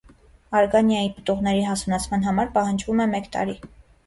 Արգանիայի պտուղների հասունացման համար պահանջվում է մեկ տարի։